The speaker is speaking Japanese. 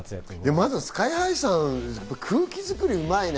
まずＳＫＹ−ＨＩさんが空気作りがうまいね。